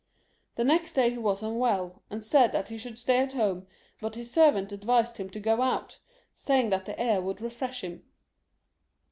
The next day he was unwell, and said that he should stay at home, but his servant advised him to go out, saying that the air would refresh him.